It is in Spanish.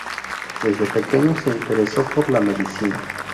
Desde pequeño se interesó por la medicina.